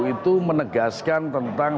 itu menegaskan tentang